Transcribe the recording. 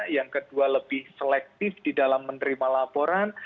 yang kedua lebih selektif di dalam menerima laporan